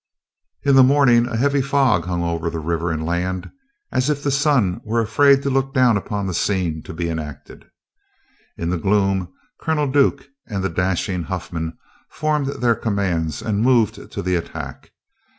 In the morning a heavy fog hung over river and land, as if the sun were afraid to look down upon the scene to be enacted. In the gloom, Colonel Duke and the dashing Huffman formed their commands and moved to the attack.